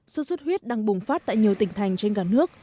xuất xuất huyết đang bùng phát tại nhiều tỉnh thành trên cả nước